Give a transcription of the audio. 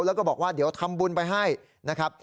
แล้วก็บอกว่าเดี๋ยวทำบุญไปให้นะครับ